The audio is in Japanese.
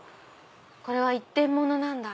これは一点物なんだ。